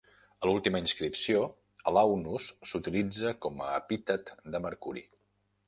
A l'última inscripció, Alaunus s'utilitza com a epítet de Mercuri.